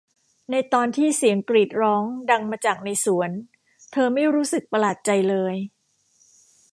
ในตอนที่เสียงกรีดร้องดังมาจากในสวนเธอไม่รู้สึกประหลาดใจเลย